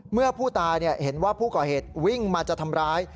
เมื่อผู้ตายเห็นว่าผู้ก่อเหตุวิ่งมาจะทำร้าย